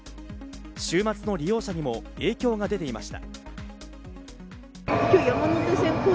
週末の利用者にも影響が出ていました。